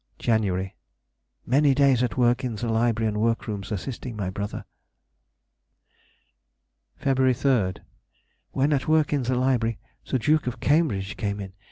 Jan.—Many days at work in the library and workrooms assisting my brother. Feb. 3rd.—When at work in the library the Duke of Cambridge came in.